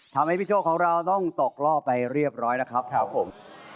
ทำให้พี่โชคของเราต้องตกล่อไปเรียบร้อยแล้วครับครับผม